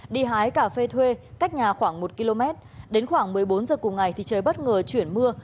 đi hái cà phê thuê cách nhà khoảng một km đến khoảng một mươi bốn h cùng ngày thì trời bất ngờ chuyển mưa